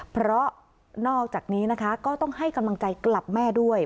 เพราะนอกจากนี้นะคะก็ต้องให้กำลังใจกลับแม่ด้วย